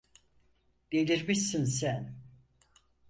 Delirmişsin sen!